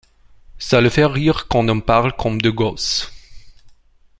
Ça le fait rire quand on parle comme des gosses.